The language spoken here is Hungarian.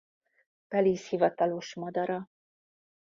Belize hivatalos madara.